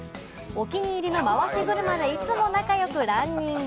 お気に入りの回し車でいつも仲良くランニング。